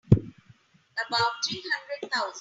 About three hundred thousand.